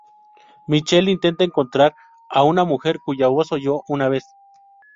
Michel intenta encontrar a una mujer cuya voz oyó una vez.